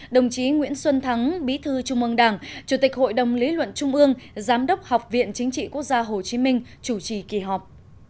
đồng chí nguyễn xuân thắng bí thư trung ương đảng chủ tịch hội đồng lý luận trung ương giám đốc học viện chính trị quốc gia hồ chí minh chủ trì kỳ họp